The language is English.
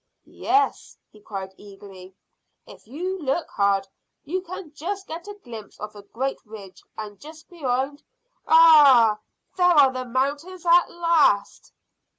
"Yes," he cried eagerly, "if you look hard you can just get a glimpse of a great ridge, and just beyond ragh! There are the mountains at last!"